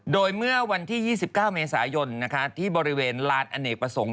โดยเมื่อวันที่๒๙เมษายนที่บริเวณลานอเนกประสงค์